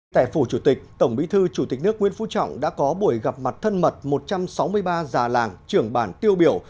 tại phủ chủ tịch tổng bí thư chủ tịch nước nguyễn phú trọng đã có buổi gặp mặt thân mật một trăm sáu mươi ba già làng trưởng bản tiêu biểu